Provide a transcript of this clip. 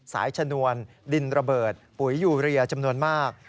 ชนวนดินระเบิดปุ๋ยยูเรียจำนวนมาก